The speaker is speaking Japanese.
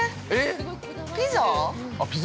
◆ピザ？